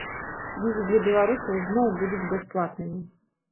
Візы для беларусаў зноў будуць бясплатнымі.